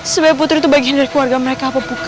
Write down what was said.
sebagai putri itu bagian dari keluarga mereka apa bukan